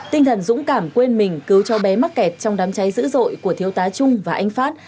tinh thần dũng cảm quên mình cứu cho bé mắc kẹt trong đám cháy dữ dội của thiếu tá trung và anh phát